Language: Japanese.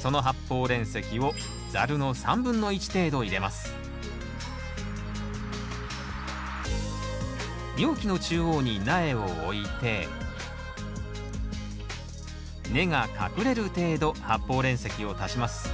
その発泡煉石を容器の中央に苗を置いて根が隠れる程度発泡煉石を足します